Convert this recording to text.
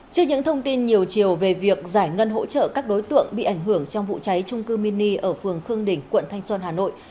trước những thông tin nhiều chiều về việc giải ngân hỗ trợ các đối tượng bị ảnh hưởng trong vụ cháy trung cư mini ở phường khương đình quận thanh xuân hà nội